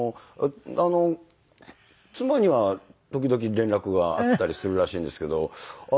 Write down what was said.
妻には時々連絡があったりするらしいんですけど。